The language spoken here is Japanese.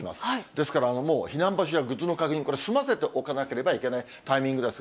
ですから、もう、避難場所やグッズの確認、これ、済ませておかなければいけない、タイミングです。